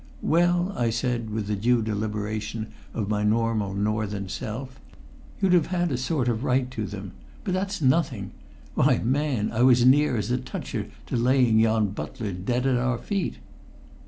"Well," I said, with the due deliberation of my normal Northern self, "you'd have had a sort of right to them. But that's nothing! Why, man, I was as near as a toucher to laying yon butler dead at our feet!"